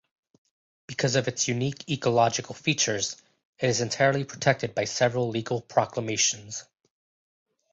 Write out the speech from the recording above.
Because of its unique ecological features, it is entirely protected by several legal proclamations.